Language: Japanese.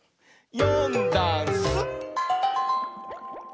「よんだんす」